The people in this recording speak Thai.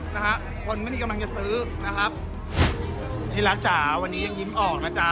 นะฮะคนไม่มีกำลังจะซื้อนะครับพี่รัฐจ๋าวันนี้ยังยิ้มออกนะจ๊ะ